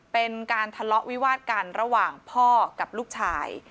เป็นการทะเลาะวิวาดกันระหว่างพ่อกับลูกชาย